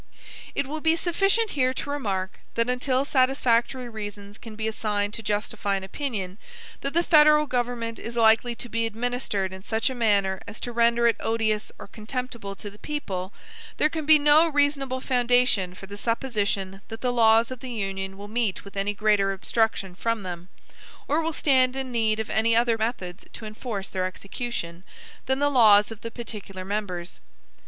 It will be sufficient here to remark, that until satisfactory reasons can be assigned to justify an opinion, that the federal government is likely to be administered in such a manner as to render it odious or contemptible to the people, there can be no reasonable foundation for the supposition that the laws of the Union will meet with any greater obstruction from them, or will stand in need of any other methods to enforce their execution, than the laws of the particular members.